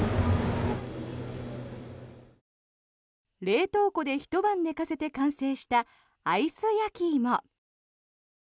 冷凍庫でひと晩寝かせて完成したアイス焼き芋。